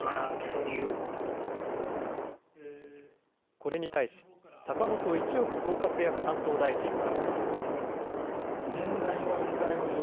これに対し、坂本一億総活躍担当大臣は。